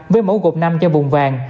với mẫu gột năm cho vùng vàng